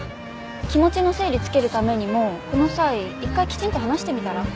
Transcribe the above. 気持ちの整理つけるためにもこの際１回きちんと話してみたら？